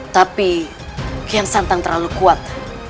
tapi kian santang terlalu kuat